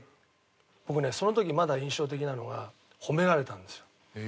僕ねその時まだ印象的なのが褒められたんですよ。